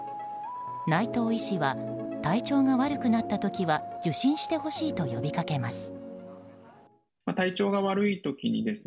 内藤医師は体調が悪くなった時は受診してほしいと呼びかけます。